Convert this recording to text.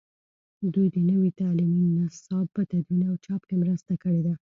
دوی د نوي تعلیمي نصاب په تدوین او چاپ کې مرسته کړې ده.